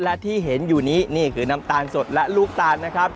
และที่เห็นอยู่นี้นี่คือน้ำตาลสดและลูกตาลนะครับ